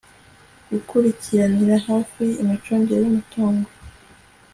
gukurikiranira hafi imicungire y umutungo